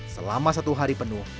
selama satu hari penuh